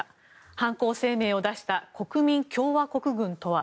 犯行声明を出した国民共和国軍とは？